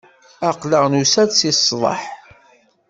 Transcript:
Aql-aɣ nusa-d di ṣṣḍeḥ.